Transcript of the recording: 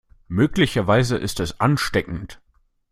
Möglicherweise ist es ansteckend.